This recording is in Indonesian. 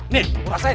nih gue kasihin